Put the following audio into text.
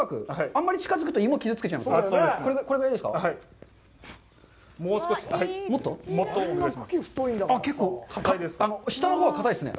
あんまり近くと、芋を傷つけちゃいますよね。